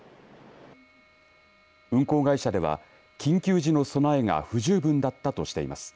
運航会社では緊急時の備えが不十分だったとしています。